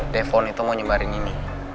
telepon itu mau nyebarin ini